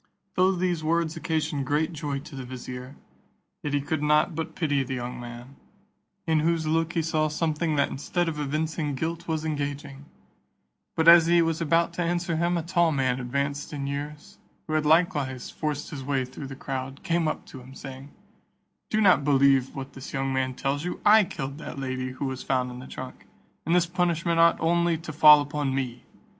Though these words occasioned great joy to the vizier, yet he could not but pity the young man, in whose look he saw something that instead of evincing guilt was engaging: but as he was about to answer him, a tall man advanced in years, who had likewise forced his way through the crowd, came up to him, saying, "Do not believe what this young man tells you, I killed that lady who was found in the trunk, and this punishment ought only to fall upon me.